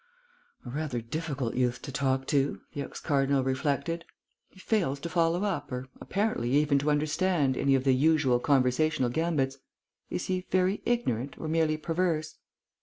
"A rather difficult youth to talk to," the ex cardinal reflected. "He fails to follow up, or, apparently, even to understand, any of the usual conversational gambits. Is he very ignorant, or merely perverse?"